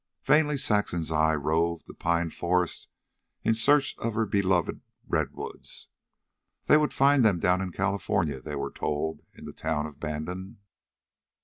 Vainly Saxon's eye roved the pine forest in search of her beloved redwoods. They would find them down in California, they were told in the town of Bandon.